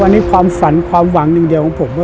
อันนี้ความฝันความหวังอย่างเดียวของผม